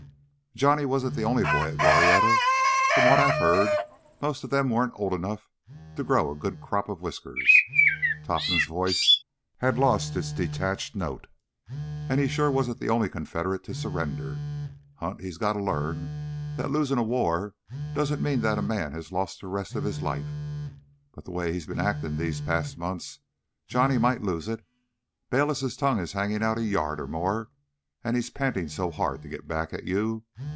"Johnny wasn't the only boy at Glorieta. From what I've heard most of them weren't old enough to grow a good whisker crop." Topham's voice had lost its detached note. "And he sure wasn't the only Confederate to surrender. Hunt, he's got to learn that losing a war doesn't mean that a man has lost the rest of his life. But the way he's been acting these past months, Johnny might just lose it. Bayliss' tongue is hanging out a yard or more he's panting so hard to get back at you.